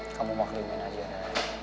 kamu mau kelima aja nara